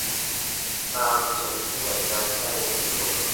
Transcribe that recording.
Nkangutse mu cyumba cyanjye hari umujura